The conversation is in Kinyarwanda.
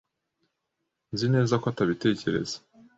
Nzi neza ko atabitekereza.